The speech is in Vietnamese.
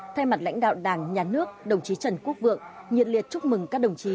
thay mặt lãnh đạo đảng nhà nước đồng chí trần quốc vượng nhiệt liệt chúc mừng các đồng chí